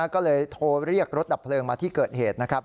ก็เลยโทรเรียกรถดับเพลิงมาที่เกิดเหตุนะครับ